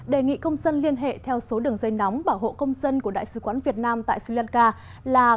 đề nghị công dân liên hệ theo số đường dây nóng bảo hộ công dân của đại sứ quán việt nam tại sri lanka là